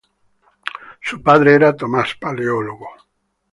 Su padre era Tomás Paleólogo.